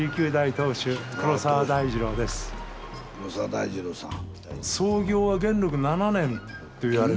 黒澤大二郎さん。